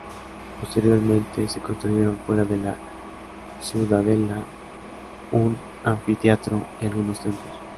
Posteriormente, se construyeron fuera de la ciudadela un anfiteatro y algunos templos.